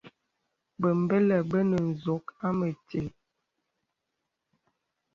Bəmbə̀lə bə nə nzūk à mətíl.